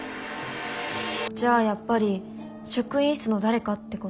じゃあやっぱり職員室の誰かってこと？